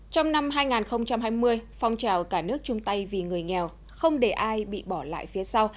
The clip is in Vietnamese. trong năm hai nghìn hai mươi phong trào cả nước chung tay vì người nghèo không để ai bị bỏ lại phía sau